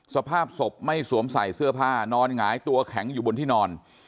สภาพศพไม่สวมใส่เสื้อผ้านอนหงายตัวแข็งอยู่บนที่นอน